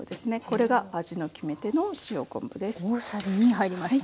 これが味の決め手の塩昆布です。